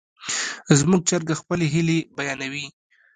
زموږ چرګه خپلې هیلې بیانوي.